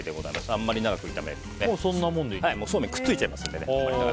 あんまり長く炒めるとそうめんがくっついちゃいますのでね。